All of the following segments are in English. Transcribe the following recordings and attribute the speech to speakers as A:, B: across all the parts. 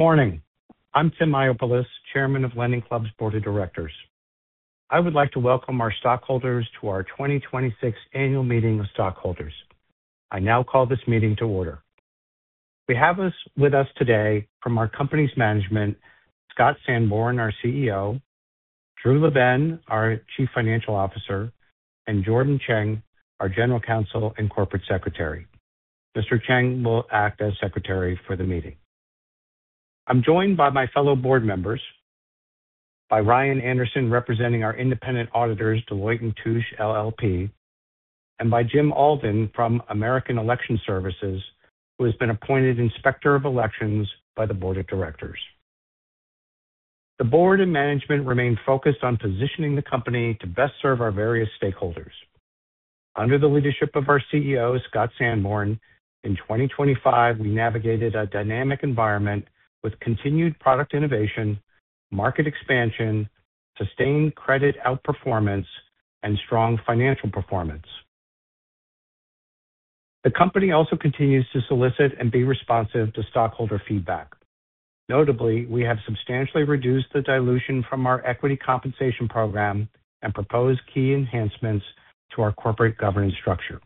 A: Morning. I'm Timothy Mayopoulos, chairman of LendingClub's board of directors. I would like to welcome our stockholders to our 2026 annual meeting of stockholders. I now call this meeting to order. We have with us today from our company's management, Scott Sanborn, our CEO, Drew LaBenne, our chief financial officer, and Jordan Cheng, our general counsel and corporate secretary. Mr. Cheng will act as secretary for the meeting. I'm joined by my fellow board members, by Ryan Anderson, representing our independent auditors, Deloitte & Touche LLP, and by Jim Alden from American Election Services, who has been appointed Inspector of Elections by the board of directors. The board and management remain focused on positioning the company to best serve our various stakeholders. Under the leadership of our CEO, Scott Sanborn, in 2025, we navigated a dynamic environment with continued product innovation, market expansion, sustained credit outperformance, and strong financial performance. The company also continues to solicit and be responsive to stockholder feedback. Notably, we have substantially reduced the dilution from our equity compensation program and propose key enhancements to our corporate governance structure.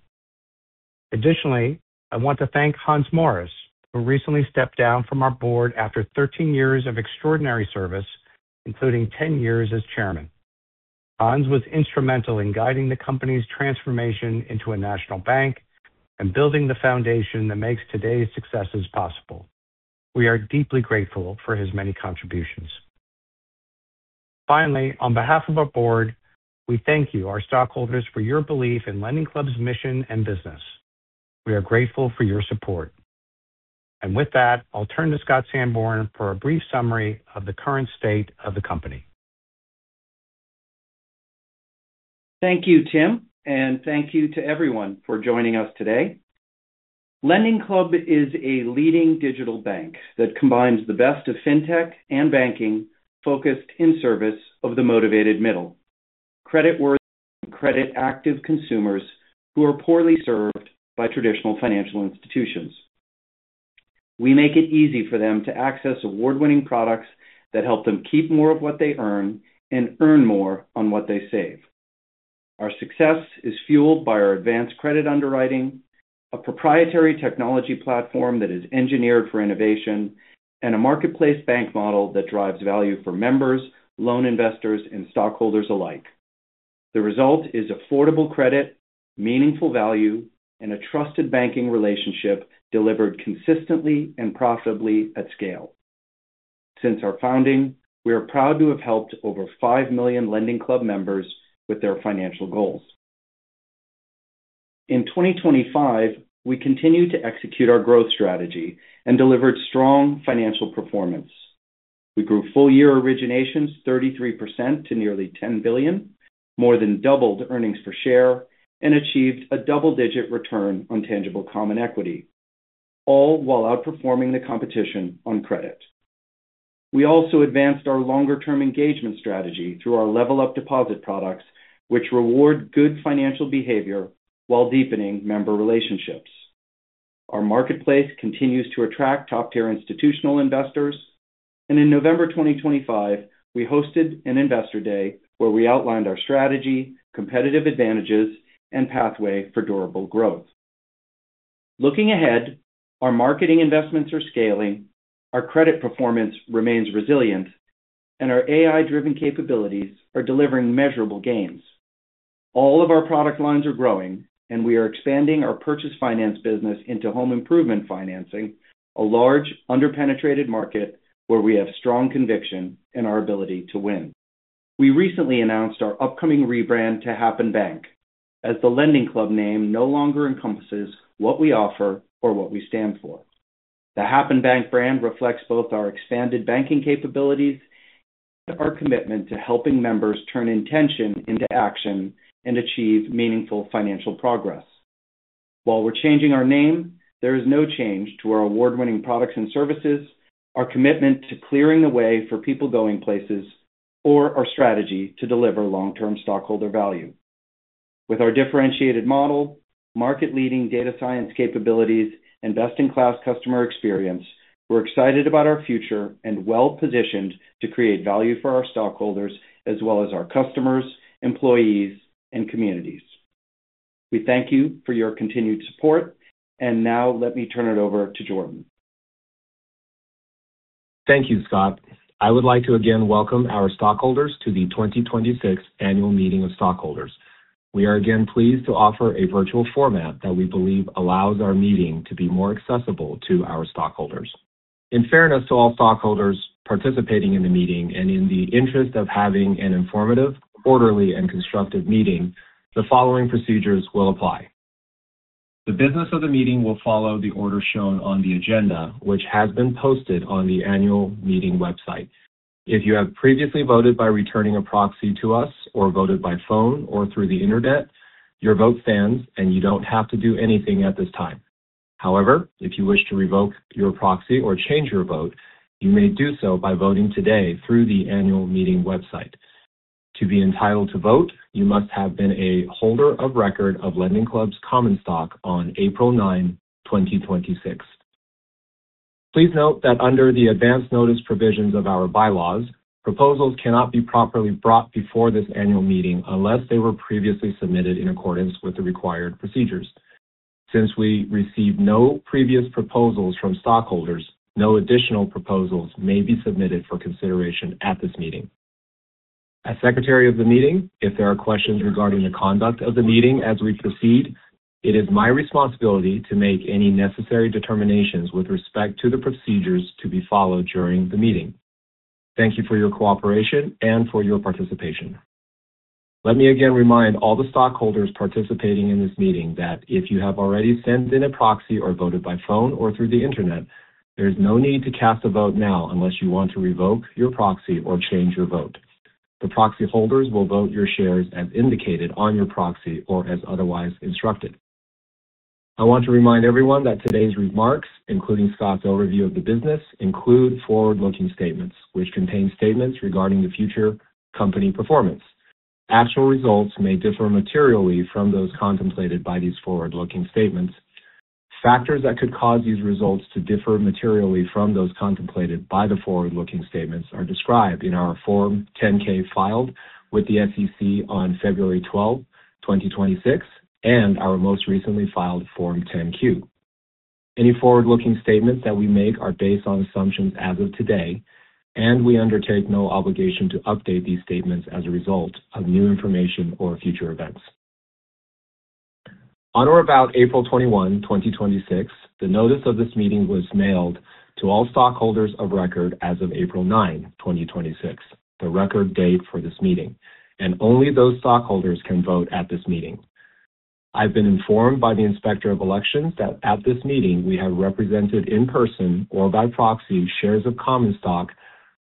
A: Additionally, I want to thank Hans Morris, who recently stepped down from our board after 13 years of extraordinary service, including 10 years as chairman. Hans was instrumental in guiding the company's transformation into a national bank and building the foundation that makes today's successes possible. We are deeply grateful for his many contributions. Finally, on behalf of our board, we thank you, our stockholders, for your belief in LendingClub's mission and business. We are grateful for your support. With that, I'll turn to Scott Sanborn for a brief summary of the current state of the company.
B: Thank you, Tim. Thank you to everyone for joining us today. LendingClub is a leading digital bank that combines the best of fintech and banking focused in service of the motivated middle. Creditworthy, credit-active consumers who are poorly served by traditional financial institutions. We make it easy for them to access award-winning products that help them keep more of what they earn and earn more on what they save. Our success is fueled by our advanced credit underwriting, a proprietary technology platform that is engineered for innovation, and a marketplace bank model that drives value for members, loan investors, and stockholders alike. The result is affordable credit, meaningful value, and a trusted banking relationship delivered consistently and profitably at scale. Since our founding, we are proud to have helped over 5 million LendingClub members with their financial goals. In 2025, we continued to execute our growth strategy and delivered strong financial performance. We grew full-year originations 33% to nearly $10 billion, more than doubled earnings per share, and achieved a double-digit return on tangible common equity, all while outperforming the competition on credit. We also advanced our longer-term engagement strategy through our LevelUp deposit products, which reward good financial behavior while deepening member relationships. Our marketplace continues to attract top-tier institutional investors. In November 2025, we hosted an investor day where we outlined our strategy, competitive advantages, and pathway for durable growth. Looking ahead, our marketing investments are scaling, our credit performance remains resilient, and our AI-driven capabilities are delivering measurable gains. All of our product lines are growing, and we are expanding our purchase finance business into home improvement financing, a large under-penetrated market where we have strong conviction in our ability to win. We recently announced our upcoming rebrand to Happen Bank as the LendingClub name no longer encompasses what we offer or what we stand for. The Happen Bank brand reflects both our expanded banking capabilities and our commitment to helping members turn intention into action and achieve meaningful financial progress. While we're changing our name, there is no change to our award-winning products and services, our commitment to clearing the way for people going places, or our strategy to deliver long-term stockholder value. With our differentiated model, market-leading data science capabilities, and best-in-class customer experience, we're excited about our future and well-positioned to create value for our stockholders as well as our customers, employees, and communities. We thank you for your continued support. Now let me turn it over to Jordan.
C: Thank you, Scott. I would like to again welcome our stockholders to the 2026 annual meeting of stockholders. We are again pleased to offer a virtual format that we believe allows our meeting to be more accessible to our stockholders. In fairness to all stockholders participating in the meeting and in the interest of having an informative, orderly, and constructive meeting, the following procedures will apply. The business of the meeting will follow the order shown on the agenda, which has been posted on the annual meeting website. If you have previously voted by returning a proxy to us or voted by phone or through the Internet, your vote stands, and you don't have to do anything at this time. However, if you wish to revoke your proxy or change your vote, you may do so by voting today through the annual meeting website. To be entitled to vote, you must have been a holder of record of LendingClub's common stock on April 9, 2026. Please note that under the advance notice provisions of our bylaws, proposals cannot be properly brought before this annual meeting unless they were previously submitted in accordance with the required procedures. Since we received no previous proposals from stockholders, no additional proposals may be submitted for consideration at this meeting. As secretary of the meeting, if there are questions regarding the conduct of the meeting as we proceed, it is my responsibility to make any necessary determinations with respect to the procedures to be followed during the meeting. Thank you for your cooperation and for your participation. Let me again remind all the stockholders participating in this meeting that if you have already sent in a proxy or voted by phone or through the internet, there is no need to cast a vote now unless you want to revoke your proxy or change your vote. The proxy holders will vote your shares as indicated on your proxy or as otherwise instructed. I want to remind everyone that today's remarks, including Scott's overview of the business, include forward-looking statements which contain statements regarding the future company performance. Actual results may differ materially from those contemplated by these forward-looking statements. Factors that could cause these results to differ materially from those contemplated by the forward-looking statements are described in our Form 10-K filed with the SEC on February 12, 2026, and our most recently filed Form 10-Q. Any forward-looking statements that we make are based on assumptions as of today, and we undertake no obligation to update these statements as a result of new information or future events. On or about April 21, 2026, the notice of this meeting was mailed to all stockholders of record as of April 9, 2026, the record date for this meeting, and only those stockholders can vote at this meeting. I've been informed by the Inspector of Elections that at this meeting we have represented in person or by proxy shares of common stock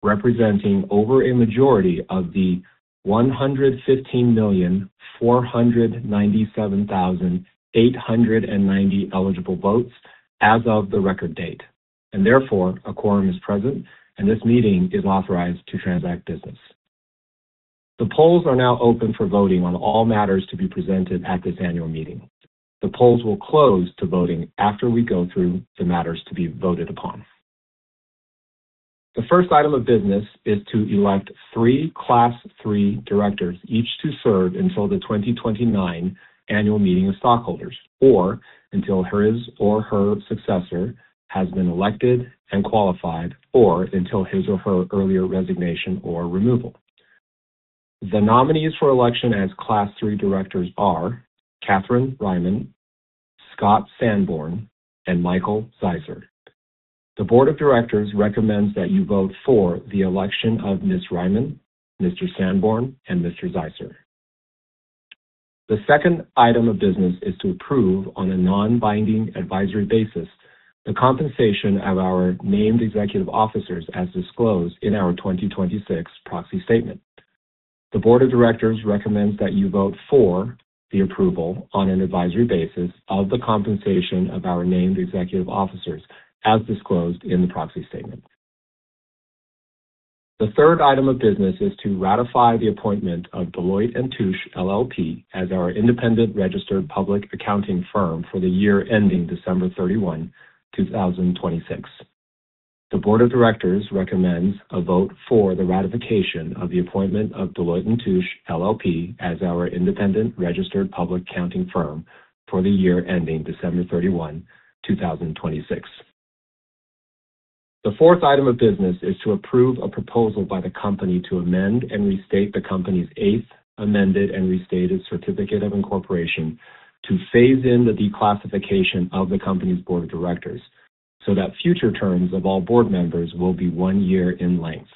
C: representing over a majority of the 115,497,890 eligible votes as of the record date, and therefore a quorum is present and this meeting is authorized to transact business. The polls are now open for voting on all matters to be presented at this annual meeting. The polls will close to voting after we go through the matters to be voted upon. The first item of business is to elect three Class III directors, each to serve until the 2029 annual meeting of stockholders, or until his or her successor has been elected and qualified, or until his or her earlier resignation or removal. The nominees for election as Class III directors are Kathryn Reimann, Scott Sanborn, and Michael Zeisser. The board of directors recommends that you vote for the election of Ms. Reimann, Mr. Sanborn, and Mr. Zeisser. The second item of business is to approve on a non-binding advisory basis the compensation of our named executive officers as disclosed in our 2026 proxy statement. The board of directors recommends that you vote for the approval on an advisory basis of the compensation of our named executive officers as disclosed in the proxy statement. The third item of business is to ratify the appointment of Deloitte & Touche LLP as our independent registered public accounting firm for the year ending December 31, 2026. The board of directors recommends a vote for the ratification of the appointment of Deloitte & Touche LLP as our independent registered public accounting firm for the year ending December 31, 2026. The fourth item of business is to approve a proposal by the company to amend and restate the company's Eighth Amended and Restated Certificate of Incorporation to phase in the declassification of the company's board of directors so that future terms of all board members will be one year in length.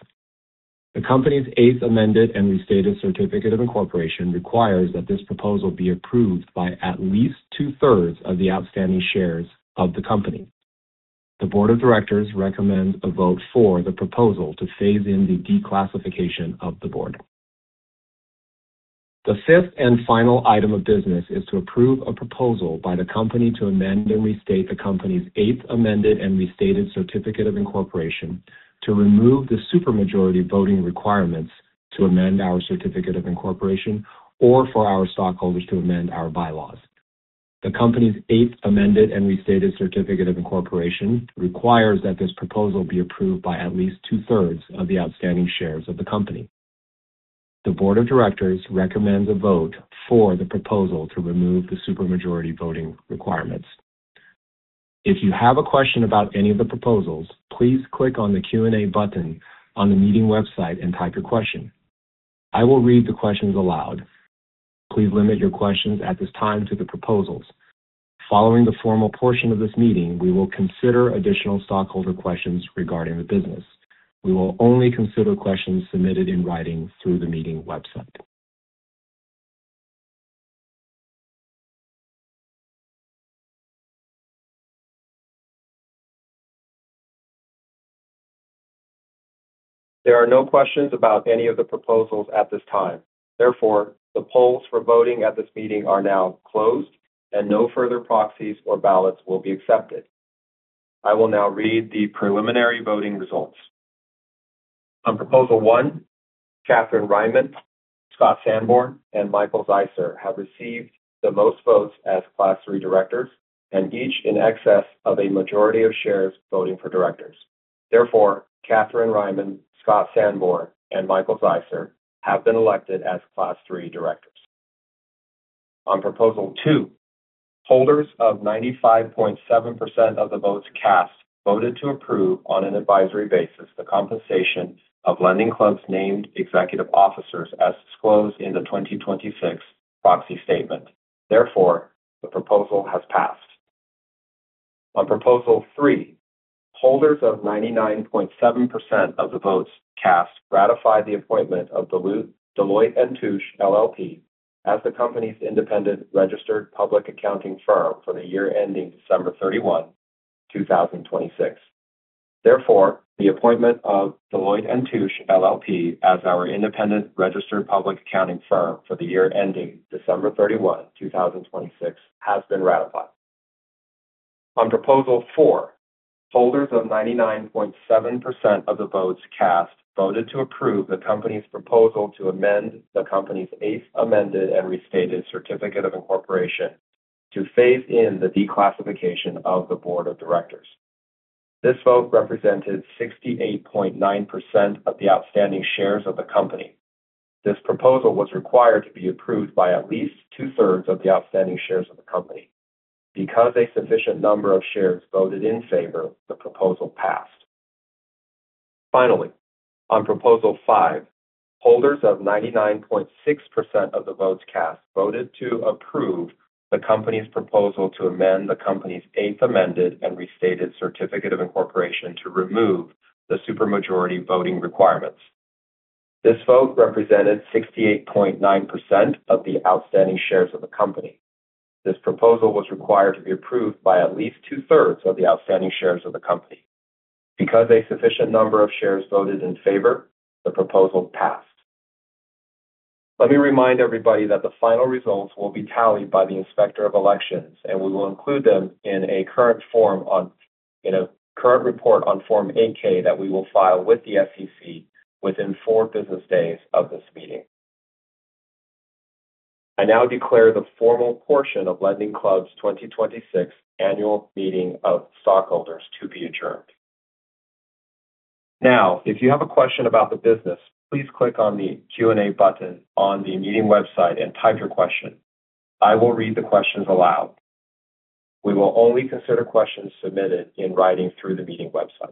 C: The company's Eighth Amended and Restated Certificate of Incorporation requires that this proposal be approved by at least two-thirds of the outstanding shares of the company. The board of directors recommends a vote for the proposal to phase in the declassification of the board. The fifth and final item of business is to approve a proposal by the company to amend and restate the company's Eighth Amended and Restated Certificate of Incorporation to remove the super majority voting requirements to amend our Certificate of Incorporation or for our stockholders to amend our bylaws. The company's Eighth Amended and Restated Certificate of Incorporation requires that this proposal be approved by at least two-thirds of the outstanding shares of the company. The board of directors recommends a vote for the proposal to remove the super majority voting requirements. If you have a question about any of the proposals, please click on the Q&A button on the meeting website and type your question. I will read the questions aloud. Please limit your questions at this time to the proposals. Following the formal portion of this meeting, we will consider additional stockholder questions regarding the business. We will only consider questions submitted in writing through the meeting website. There are no questions about any of the proposals at this time. The polls for voting at this meeting are now closed and no further proxies or ballots will be accepted. I will now read the preliminary voting results. On proposal one, Kathryn Reimann, Scott Sanborn, and Michael Zeisser have received the most votes as Class III directors, and each in excess of a majority of shares voting for directors. Therefore, Kathryn Reimann, Scott Sanborn, and Michael Zeisser have been elected as Class III directors. On proposal two, holders of 95.7% of the votes cast voted to approve on an advisory basis the compensation of LendingClub's named executive officers as disclosed in the 2026 proxy statement. Therefore, the proposal has passed. On proposal three, holders of 99.7% of the votes cast ratified the appointment of Deloitte & Touche LLP as the company's independent registered public accounting firm for the year ending December 31, 2026. Therefore, the appointment of Deloitte & Touche LLP as our independent registered public accounting firm for the year ending December 31, 2026 has been ratified. On proposal four, holders of 99.7% of the votes cast voted to approve the company's proposal to amend the company's Eighth Amended and Restated Certificate of Incorporation to phase in the declassification of the board of directors. This vote represented 68.9% of the outstanding shares of the company. This proposal was required to be approved by at least two-thirds of the outstanding shares of the company. Because a sufficient number of shares voted in favor, the proposal passed. Finally, on proposal five, holders of 99.6% of the votes cast voted to approve the company's proposal to amend the company's Eighth Amended and Restated Certificate of Incorporation to remove the super majority voting requirements. This vote represented 68.9% of the outstanding shares of the company. This proposal was required to be approved by at least two-thirds of the outstanding shares of the company. Because a sufficient number of shares voted in favor, the proposal passed. Let me remind everybody that the final results will be tallied by the Inspector of Elections, and we will include them in a current report on Form 8-K that we will file with the SEC within four business days of this meeting. I now declare the formal portion of LendingClub's 2026 annual meeting of stockholders to be adjourned. Now, if you have a question about the business, please click on the Q&A button on the meeting website and type your question. I will read the questions aloud. We will only consider questions submitted in writing through the meeting website.